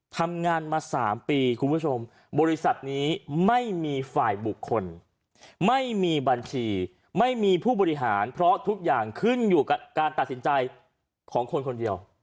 ทำงานมา๓ปีคุณผู้ชมบริษัทนี้ไม่มีฝ่ายบุคคลไม่มีบัญชีไม่มีผู้บริหารเพราะทุกอย่างขึ้นอยู่กับการตัดสินใจของคนคนเดียว